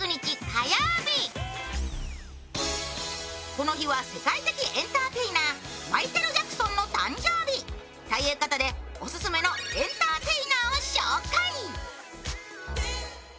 この日は世界的エンターテイナーマイケル・ジャクソンの誕生日ということでオススメのエンターテイナーを紹介。